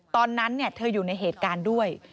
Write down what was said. ตอนนั้นเธออยู่ในเหตุการณ์ด้วย